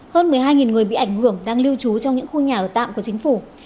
hơn một mươi hai người bị ảnh hưởng đang lưu trú trong những khu nhà ở tạm của chính phủ